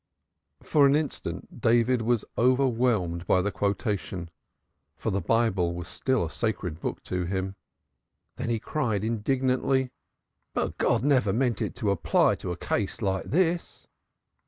_'" For an instant David was overwhelmed by the quotation, for the Bible was still a sacred book to him. Then he cried indignantly: "But God never meant it to apply to a case like this!"